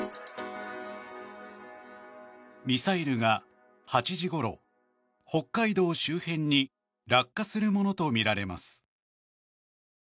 ミサイルが８時ごろ北海道周辺に落下するものとみられます。